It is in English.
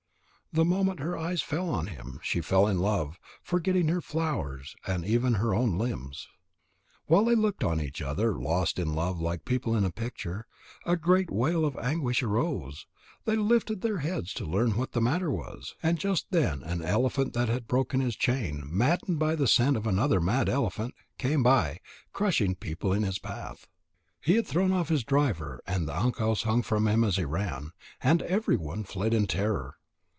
The moment her eyes fell on him, she fell in love, forgetting her flowers and even her own limbs. While they looked at each other, lost in love like people in a picture, a great wail of anguish arose. They lifted their heads to learn what the matter was, and just then an elephant that had broken his chain, maddened by the scent of another mad elephant, came by, crushing the people in his path. He had thrown off his driver and the ankus hung from him as he ran. And everyone fled in terror.